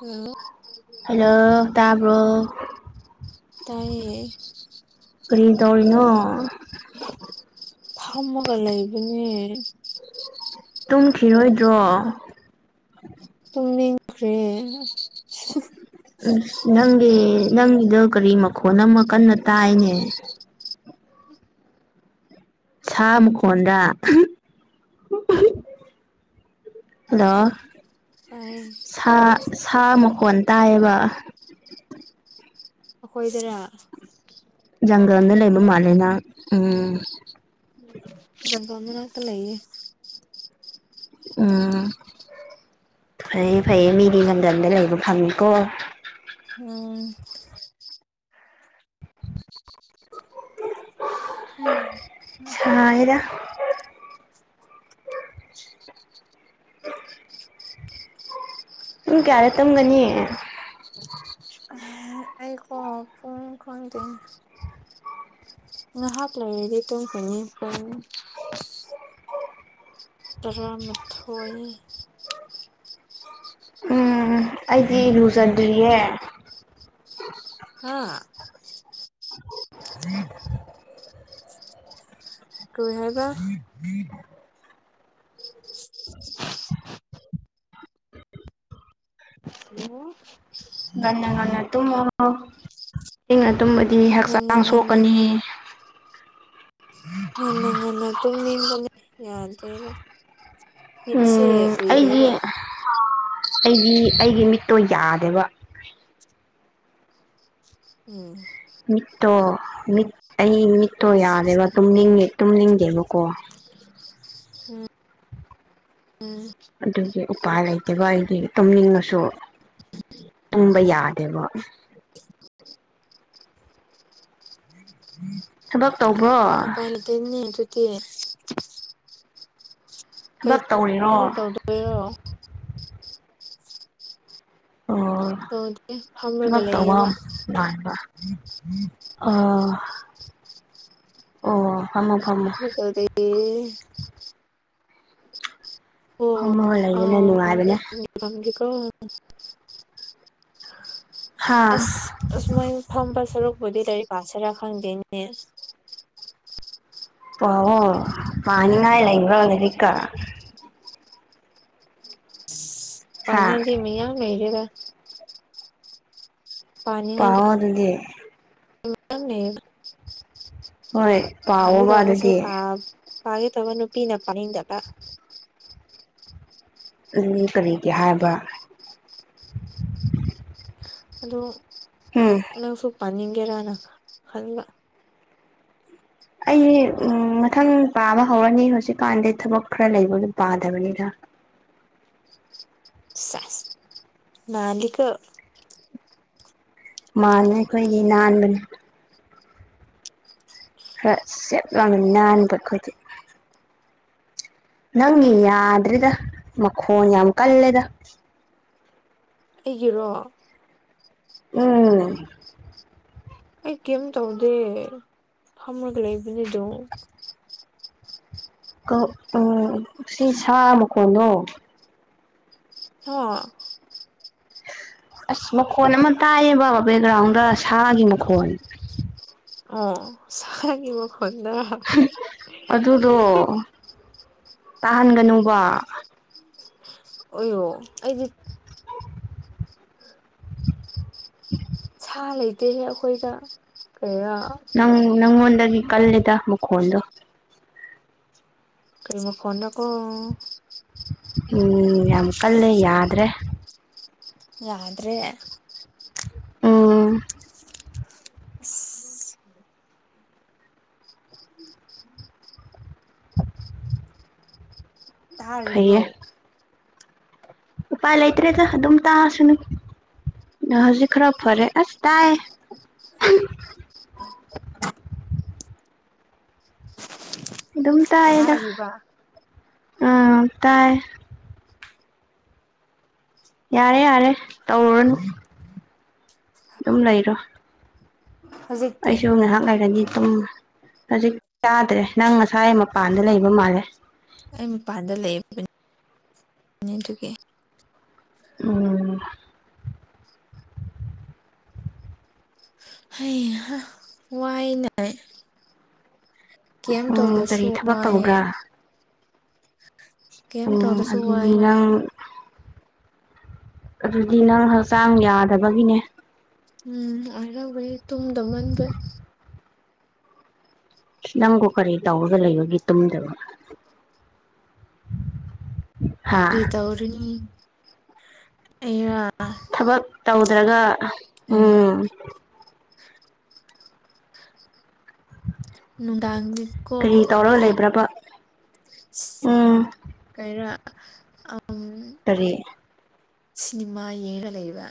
hello hello ꯇꯕ꯭ꯔꯣ ꯇꯥꯏꯌꯦ ꯀꯔꯤ ꯇꯧꯔꯤꯅꯣ ꯐꯝꯃꯒ ꯂꯩꯕꯅꯦ ꯇꯨꯝꯈꯤꯔꯣꯏꯗ꯭ꯔꯣ ꯇꯨꯝꯅꯤꯡꯇ꯭ꯔꯦ [inaudible] ꯑꯥꯁ ꯅꯪꯒꯤ ꯅꯪꯒꯤꯗ ꯀꯔꯤ ꯃꯈꯣꯟ ꯑꯃ ꯀꯟꯅ ꯇꯥꯏꯅꯦ ꯁꯥ ꯃꯈꯈꯣꯟꯗ [unintelligible] ꯍꯜꯂꯣ ꯇꯥꯏꯌꯦ ꯁꯥ ꯁꯥ ꯃꯈꯣꯟ ꯇꯥꯏꯌꯦꯕ ꯑꯥꯈꯣꯏꯗꯔ ꯖꯪꯒꯜꯗ ꯂꯩꯕ ꯃꯥꯜꯂꯦꯅ ꯎꯝ ꯖꯪꯒꯜ ꯃꯔꯛꯇ ꯂꯩꯌꯦ ꯎꯝ ꯐꯩꯌꯦ ꯐꯩꯌꯦ ꯃꯤꯗꯤ ꯖꯪꯒꯜꯗ ꯂꯩꯕ ꯐꯪꯉꯤꯀꯣ ꯎꯝ ꯍꯝ ꯁꯥꯏꯗ [inaudible] ꯄꯨꯡ ꯀ꯭ꯌꯗ ꯇꯝꯒꯅꯤ ꯑꯩꯀꯣ ꯄꯨꯡ ꯈꯪꯗꯦ ꯉꯥꯏꯍꯥꯛ ꯂꯩꯔꯗꯤ ꯇꯨꯝꯈ꯭ꯔꯅꯤ ꯇꯔꯥ ꯃꯊꯣꯏ ꯎꯝ ꯑꯩꯗꯤ ꯂꯨꯖꯗ꯭ꯔꯤꯌꯦ ꯑꯥ ꯎꯝ [inaudible] ꯀꯔꯤ ꯍꯥꯏꯕ [inaudible] [inaudible] [unintelligible] ꯍꯜꯂꯣ ꯉꯟꯅ ꯉꯟꯅ ꯇꯨꯝꯃꯣ [unintelligible] [unintelligible] ꯉꯟꯅ ꯍꯛꯆꯥꯡ ꯉꯟ ꯁꯣꯛꯀꯅꯤ [unintelligible] ꯉꯟꯅ ꯉꯟꯅ ꯇꯨꯝꯅꯤꯡꯕꯅꯤ ꯌꯥꯗꯦꯕ ꯃꯤꯠꯁꯦ ꯎꯝ ꯑꯩꯗꯤ ꯎꯏꯔꯦꯕ [unintelligible] ꯁꯥ ꯑꯩꯗꯤ ꯑꯩꯒꯤ ꯃꯤꯠꯇꯣ ꯌꯥꯗꯦꯕ ꯎꯝ [unintelligible] ꯇꯣ ꯃꯤꯠ ꯑꯩ ꯃꯤꯠꯇꯣ ꯌꯥꯗꯦꯕ ꯇꯨꯝꯅꯤꯡꯉꯦ ꯇꯨꯝꯅꯤꯡꯗꯦꯕꯀꯣ ꯎꯝ ꯎꯝ ꯑꯗꯨꯒꯤ ꯎꯄꯥꯏ ꯂꯩꯇꯦꯕ ꯑꯩꯗꯤ ꯇꯨꯝꯅꯤꯡꯉꯁꯨ ꯇꯨꯝꯕ ꯌꯥꯗꯦꯕ ꯊꯕꯛ ꯇꯧꯕ꯭ꯔꯣ ꯎꯄꯥꯏ ꯂꯩꯇꯦ ꯅꯤ ꯗꯨꯗꯤ [unintelligible] ꯀꯩ ꯊꯕꯛ [unintelligible] ꯇꯧꯗꯣꯏꯔꯣ ꯑꯣ ꯇꯧꯗꯦ ꯐꯝꯔꯒ ꯊꯕꯛ ꯇꯧꯕ ꯂꯩꯌꯦꯕ ꯃꯥꯟꯕ [unintelligible] ꯑ ꯑꯣ ꯐꯝꯃꯣ ꯐꯝꯃꯣ ꯀꯩꯁꯨ ꯇꯧꯗꯔꯤ ꯑꯣ ꯐꯝꯃꯒ ꯂꯩꯕꯅ ꯅꯨꯡꯉꯥꯏꯕꯅꯦ ꯑꯪ [unintelligible] ꯑꯣ ꯍꯥ [unintelligible] ꯑꯁ ꯑꯁ [unintelligible] ꯁꯔꯨꯛꯄꯨꯗꯤ [unintelligible] [unintelligible] ꯁꯔꯥ ꯈꯪꯗꯦꯅꯦ [unintelligible] ꯄꯥꯎ ꯑꯣ ꯄꯅꯤꯡꯉꯥꯏ ꯂꯩꯕꯔꯣ ꯂꯥꯏꯔꯤꯛꯀ ꯍꯥ ꯄꯥꯅꯤꯡ ꯉꯥꯏꯗꯤ ꯃꯌꯥꯝ ꯂꯩꯔꯦꯕ ꯄꯥꯎ ꯑꯣ ꯑꯗꯨꯗꯤ [unintelligible] ꯅꯦ ꯍꯣꯏ ꯄꯥꯒꯦ ꯄꯥꯑꯣꯕ ꯇꯧꯕꯁꯦ ꯑꯗꯨꯗꯤ ꯄꯥꯎ ꯄꯥꯒꯦ ꯇꯧꯕ ꯅꯨꯄꯤꯅ ꯄꯅꯤꯡꯗꯗ ꯑꯘꯨꯘꯤ ꯀꯔꯤꯒꯤ ꯍꯥꯏꯕ꯭ꯔꯥ [unintelligible] ꯑꯘꯣ ꯅꯪꯁꯨ ꯄꯅꯤꯡꯒꯦꯔꯅ ꯈꯜꯕ ꯑꯩ ꯎꯝ ꯃꯊꯪ ꯄꯥꯕ ꯍꯧꯔꯅꯤ ꯍꯧꯖꯤꯛꯀꯥꯟꯗꯤ ꯊꯕꯛ ꯈꯔ ꯂꯩꯕꯒꯤ ꯄꯥꯗꯕꯅꯤꯘ [inaudible] ꯅꯥꯜꯂꯤꯀꯣ [unintelligible] ꯃꯥꯟꯕꯅꯤ ꯑꯩꯈꯣꯏꯗꯤ ꯅꯥꯟꯕꯅꯤ ꯈꯔ ꯆꯦꯠ ꯂꯥꯎꯅ ꯅꯥꯟꯕ ꯑꯩꯈꯣꯏꯗꯤ ꯅꯪꯒꯤ ꯌꯥꯗ꯭ꯔꯦꯗ ꯃꯈꯣꯟ ꯌꯥꯝ ꯀꯜꯂꯦꯗ ꯑꯩꯒꯤꯔꯣ ꯎꯝ ꯑꯩ ꯀꯤꯏꯝ ꯇꯧꯗꯦ ꯐꯝꯃꯒ ꯂꯩꯕꯅꯦ ꯑꯘꯨꯝ ꯀꯛ ꯑꯣ ꯁꯤ ꯁꯥ ꯃꯈꯣꯟꯅꯣ [unintelligible] [unintelligible] ꯑꯁ ꯃꯈꯣ ꯑꯃ ꯇꯥꯏꯌꯦ ꯕ ꯕꯦꯛꯒ꯭ꯔꯥꯎꯟꯗ ꯗ ꯁꯥꯒꯤ ꯃꯈꯣꯜ ꯑꯣ ꯁꯥꯒꯤ ꯃꯈꯣꯜꯗꯣ ꯑꯗꯨꯗꯣ ꯍꯤ ꯇꯥꯍꯟꯒꯅꯨꯕ [unintelligible] ꯑꯩꯌꯣ ꯑꯩꯗꯤ [unintelligible] ꯁꯥꯥ ꯂꯩꯇꯦꯍꯦ ꯑꯩꯈꯣꯏꯗ ꯀꯩꯔꯥ ꯅꯪ ꯅꯪꯉꯣꯟꯗꯒꯤ ꯀꯜꯂꯦꯗ ꯃꯈꯣꯟꯗꯨ ꯀꯔꯤ ꯃꯈꯣꯟꯅꯣꯀꯣ ꯎꯝ ꯌꯥꯝ ꯀꯜꯂꯦ ꯌꯥꯗ꯭ꯔꯦ ꯌꯥꯗ꯭ꯔꯦ ꯎꯝ ꯑꯁ ꯇꯥꯔꯤꯕ꯭ꯔꯣ ꯐꯩꯌꯦ ꯎꯄꯥꯏ ꯂꯩꯇ꯭ꯔꯦꯗ ꯑꯗꯨꯝ ꯇꯥꯔꯁꯨꯅꯨ ꯍꯧꯖꯤꯛ ꯈꯔ ꯐꯔꯦ ꯑꯁ ꯇꯥꯏꯌꯦ [inaudible] ꯑꯗꯨꯝ ꯇꯥꯏꯌꯦꯗ ꯇꯥꯔꯤꯕ ꯎꯝ ꯇꯥꯏꯌꯦ ꯌꯥꯔꯦ ꯌꯥꯔꯦ ꯇꯧꯔꯨꯔꯅꯨ ꯑꯗꯨꯝ ꯂꯩꯔꯣ ꯍꯧꯖꯤꯛꯇꯤ ꯑꯩꯁꯨ ꯉꯥꯏꯍꯥꯛ ꯂꯩꯔꯅꯤ ꯇꯨꯝ ꯍꯧꯖꯤꯛ ꯇꯥꯗ꯭ꯔꯦ ꯅꯪ ꯉꯁꯥꯏ ꯃꯄꯥꯟꯗ ꯂꯩꯕ ꯃꯥꯜꯂꯦ ꯑꯩ ꯃꯄꯥꯟꯗ ꯂꯩꯕꯅꯤ ꯑꯗꯨꯒꯤ ꯎꯝ ꯍꯩꯍꯥ ꯋꯥꯏꯅꯦ ꯀꯦꯝ ꯎꯝ ꯇꯧꯗꯁꯨ ꯀꯔꯤ ꯊꯕꯛ ꯋꯥꯏꯌꯦ ꯀꯩꯝ ꯑꯣ ꯇꯧꯗ꯭ꯔꯁꯨ ꯑꯗꯨꯗꯤ ꯋꯥꯏꯕ ꯅꯪ ꯑꯗꯨꯗꯤ ꯅꯪ ꯍꯛꯆꯥꯡ ꯌꯥꯗꯕꯒꯤꯅꯦ ꯎꯝ ꯑꯣꯏꯔꯝꯒꯅꯤ ꯇꯨꯝꯗꯃꯟꯕꯩ ꯅꯪꯕꯨ ꯀꯔꯤ ꯇꯧꯔꯒ ꯂꯩꯕꯒꯤ ꯇꯨꯝꯗꯕ ꯍꯥ ꯀꯔꯤ ꯇꯧꯔꯤꯅꯤ ꯑꯩꯅ ꯇ꯭ꯔꯒ ꯎꯝ ꯅꯨꯗꯥꯡꯗꯤ ꯀꯣ ꯀꯔꯤ ꯇꯧꯔꯒ ꯂꯩꯕ꯭ꯔꯕ ꯎꯝ ꯀꯩꯔꯥ ꯀꯔꯤ ꯁꯤꯟꯅꯦꯃꯥ ꯌꯦꯡꯂꯒ ꯂꯩꯕ꯭ꯔ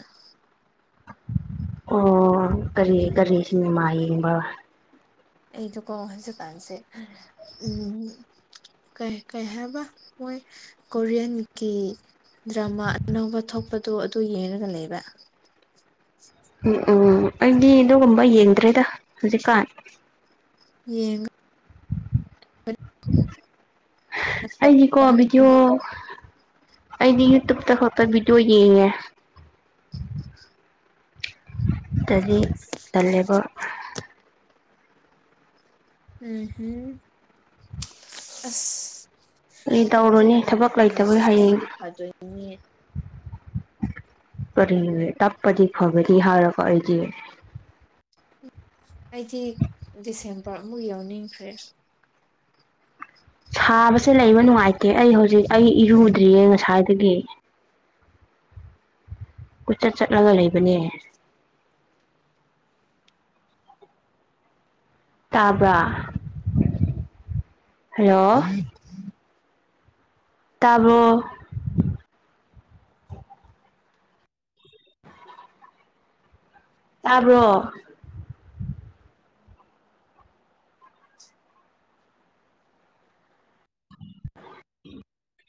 ꯑꯣ ꯀꯔꯤ ꯀꯔꯤ ꯁꯤꯟꯅꯦꯃ ꯌꯦꯡꯕ ꯑꯩꯗꯨ ꯀꯣ ꯍꯧꯖꯤꯛꯀꯥꯟꯁꯦ ꯎꯝ ꯀꯩ ꯀꯩ ꯍꯥꯏꯕ ꯃꯣꯏ ꯀꯣꯔꯤꯌꯥꯟꯀꯤ ꯗ꯭ꯔꯃꯥ ꯑꯅꯧꯕ ꯊꯣꯛꯄꯗꯣ ꯑꯗꯨ ꯌꯦꯡꯉꯒ ꯂꯩꯕ ꯎꯝ ꯎꯝ ꯑꯩꯗꯤ ꯑꯗꯨꯒꯨꯝꯕ ꯌꯦꯡꯗ꯭ꯔꯦꯗ ꯍꯧꯖꯤꯛꯀꯥꯟ ꯌꯦꯡ ꯑꯩꯒꯤꯀꯣ ꯎꯝꯍꯝ ꯕꯤꯗꯤꯑꯣ ꯑꯩꯗꯤ ꯌꯨꯇ꯭ꯌꯨꯕꯇ ꯈꯛꯇ ꯕꯤꯗꯤꯑꯣ ꯌꯦꯡꯉꯦ ꯇꯗꯤ ꯇꯜꯂꯦꯕ ꯎꯝ ꯍꯝ ꯑꯁ ꯑꯩ ꯃꯇꯝꯁꯦ ꯇꯧꯔꯨꯅꯤ ꯌꯥꯝ ꯊꯕꯛ ꯊꯨꯅ ꯂꯩꯇꯕꯒꯤ ꯍꯌꯦꯡ ꯆꯠꯂꯗꯤ ꯐꯗꯣꯏꯅꯦ ꯀꯔꯤꯅꯣꯅꯦ ꯇꯞꯄꯗꯤ ꯐꯥꯒꯅꯤ ꯍꯥꯏꯔꯒ ꯑꯩꯗꯤ ꯑꯩꯗꯤ ꯗꯤꯁꯦꯝꯕꯔ ꯑꯃꯨꯛ ꯌꯥꯎꯅꯤꯡꯈ꯭ꯔꯦ ꯁꯥꯕꯁꯦ ꯂꯩꯕ ꯅꯨꯡꯉꯥꯏꯇꯦ ꯑꯩ ꯍꯧꯖꯤꯛ ꯑꯩ ꯏꯔꯨꯗ꯭ꯔꯤꯌꯦ ꯉꯁꯥꯏꯗꯒꯤ [inaudible] ꯀꯣꯏꯆꯠ ꯆꯠꯂꯒ ꯂꯩꯕꯅꯦ ꯇꯥꯕ꯭ꯔ ꯍꯜꯂꯣ ꯇꯥꯕ꯭ꯔꯣ ꯇꯥꯕ꯭ꯔꯣ ꯎꯝ [unintelligible]